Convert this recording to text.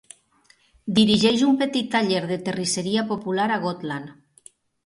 Dirigeix un petit taller de terrisseria popular a Gotland.